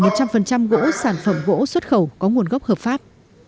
trăm gỗ sản phẩm gỗ xuất khẩu có nguồn gốc hợp pháp